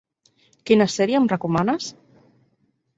Quina sèrie em recomanes?